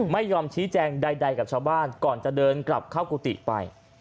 ไม่ยอมชี้แจงใดกับชาวบ้านก่อนจะเดินกลับเข้ากุฏิไป